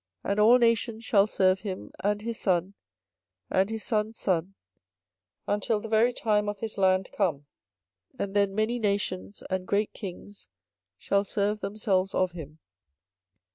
24:027:007 And all nations shall serve him, and his son, and his son's son, until the very time of his land come: and then many nations and great kings shall serve themselves of him.